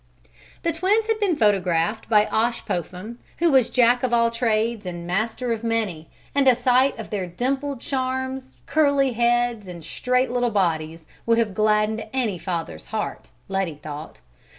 The twins had been photographed by Osh Popham, who was Jack of all trades and master of many, and a sight of their dimpled charms, curly heads, and straight little bodies would have gladdened any father's heart, Letty thought.